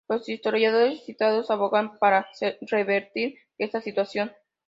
Los historiadores citados abogan para revertir este situación.